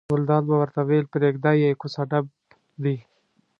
ګلداد به ورته ویل پرېږده یې کوڅه ډب دي.